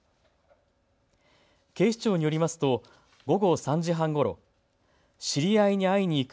警視庁によりますと午後３時半ごろ、知り合いに会いにいく。